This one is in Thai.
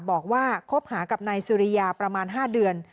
คบหากับนายสุริยาประมาณ๕เดือน